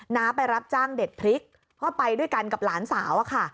ไปรับจ้างเด็ดพริกเพราะไปด้วยกันกับหลานสาวอะค่ะ